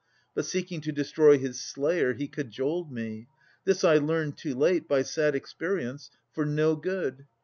But seeking to destroy His slayer, he cajoled me. This I learn Too late, by sad experience, for no good.